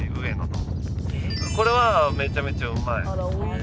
これはめちゃめちゃうまい。